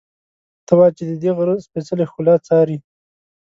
ته وا چې ددې غره سپېڅلې ښکلا څاري.